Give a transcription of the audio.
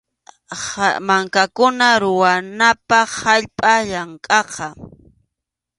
Mankakuna ruranapaq allpam llankaqa.